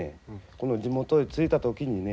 この地元へ着いた時にね